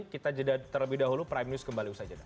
kita terlebih dahulu prime news kembali usai jadwal